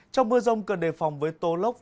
trong mưa rông cần đề phòng với tô lốc